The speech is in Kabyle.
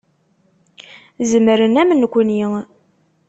Zemren am nekni.